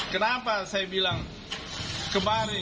kenapa saya bilang kemarin